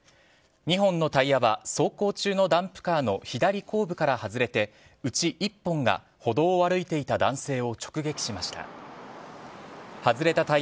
２本のタイヤは走行中のダンプカーの左後部から外れてうち１本が歩道を歩いていた男性を直撃しました。